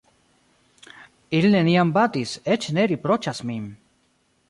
Ili neniam batis, eĉ ne riproĉas min.